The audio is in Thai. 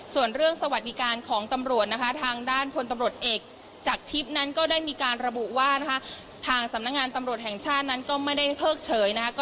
ส่วนเรื่องสวัสดิการของตำรวจทางด้านทนผลตำรวจเอกจากทิพย์ได้มีการระบุว่าทางสำนักงานตำรวจแห่งชาติไม่ได้เพ้อเชย